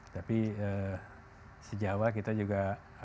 tapi sejauh kita juga